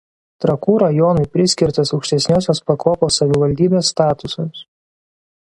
Trakų rajonui priskirtas aukštesniosios pakopos savivaldybės statusas.